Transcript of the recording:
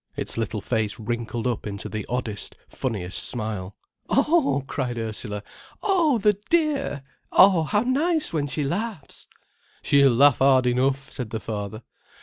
Its little face wrinkled up into the oddest, funniest smile. "Oh!" cried Ursula. "Oh, the dear! Oh, how nice when she laughs!" "She'll laugh hard enough," said the father.